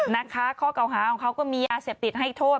นะคะข้อเก่าหาของเขาก็มียาเสพติดให้โทษ